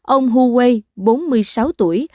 ông hu wei bốn mươi sáu tuổi